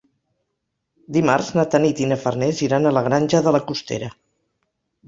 Dimarts na Tanit i na Farners iran a la Granja de la Costera.